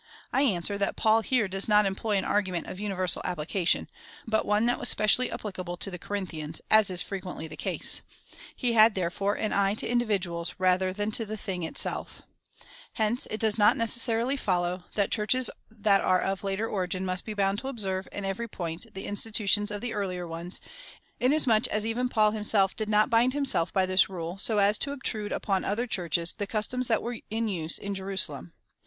I answer, that Paul here does not employ an argument of universal application, but one that was specially applicable to the Corinthians, as is frequently the case. He had, therefore, an eye to individuals, rather than to the thing itself Hence it does not necessarily follow, that Churches that are of later origin must be bound to observe, in every point, the institutions of the earlier ones, inasmuch as even Paul himself did not bind himself by this rule, so as to obtrude upon other Churches the customs that were in use at Jerusalem.